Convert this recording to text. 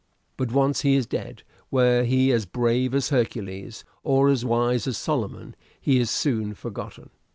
But once he is dead, were he as brave as Hercules or as wise as Solomon, he is soon forgotten.